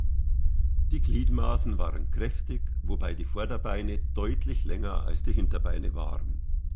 Die Gliedmaßen waren kräftig, wobei die Vorderbeine deutlich länger als die Hinterbeine waren.